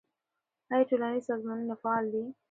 آیا ټولنیز سازمانونه فعال دي؟